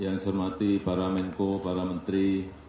yang saya hormati para menko para menteri